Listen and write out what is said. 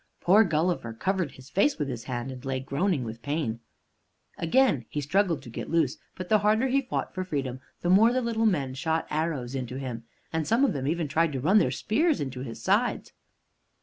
Poor Gulliver covered his face with his hand, and lay groaning with pain. Again he struggled to get loose. But the harder he fought for freedom, the more the little men shot arrows into him, and some of them even tried to run their spears into his sides.